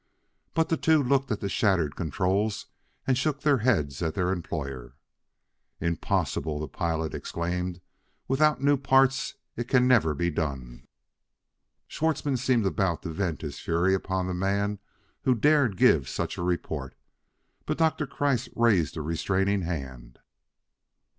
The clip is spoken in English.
But the two looked at the shattered controls and shook their heads at their employer. "Impossible!" the pilot exclaimed. "Without new parts it can never be done." Schwartzmann seemed about to vent his fury upon the man who dared give such a report, but Doctor Kreiss raised a restraining hand.